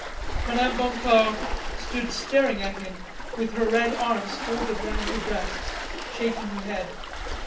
Madame Boncour stood staring at him, with her red arms folded round her breasts, shaking her head.